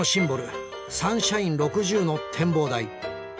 サンシャイン６０の展望台。